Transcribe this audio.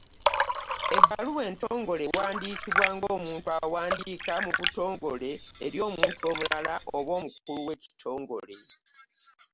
Ebbaluwa entongole ewandiikibwa ng’omuntu awandiika mu butongole eri omuntu omulala oba omukulu w’ekitongole.